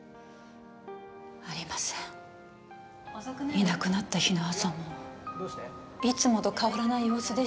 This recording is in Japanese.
いなくなった日の朝もいつもと変わらない様子でしたし。